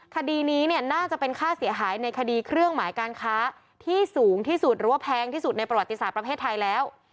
คดีนี้เนี่ยน่าจะเป็นค่าเสียหายในคดีเครื่องหมายการค้าที่สูงที่สุดหรือว่าแพงที่สุดในประวัติศาสตร์ประเทศไทยแล้ว